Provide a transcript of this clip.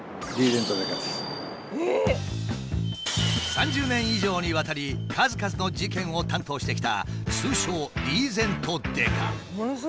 ３０年以上にわたり数々の事件を担当してきた通称リーゼント刑事。